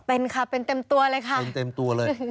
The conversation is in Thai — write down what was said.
เป็นครับเป็นเต็มตัวเลยค่ะ